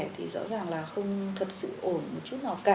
thì rõ ràng là không thật sự ổn một chút nào cả